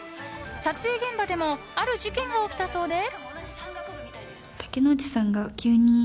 撮影現場でもある事件が起きたそうで。